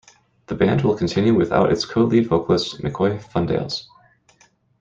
The band will continue without it's co-lead vocalist Mcoy Fundales.